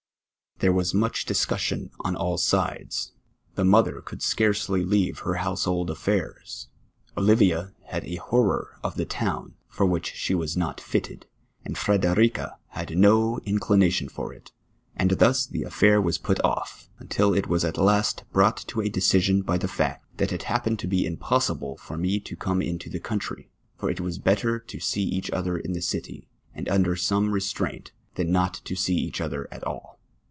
THE VISIT TO STRASBURG. 405 Tliero was miicli discussion on all sides. The motlier could scarcely leave her household affairs, Olivia had a horror of the town, lor which she was not litti(l,and Fredcrica had no incli nation lor it; and thus the alfair was put olf, until it was at last brouf::ht to a decision by the fact, that it hapjjcncd to ha impossible for mc to come into the country; for it was better to see each other in the city, and under some restraint, than not to sec each other at all.